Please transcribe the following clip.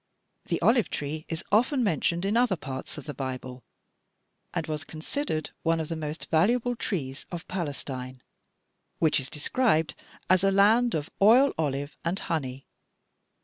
The olive tree is often mentioned in other parts of the Bible, and was considered one of the most valuable trees of Palestine, which is described as 'a land of oil olive and honey.'